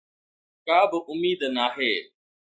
ڪا به اميد ناهي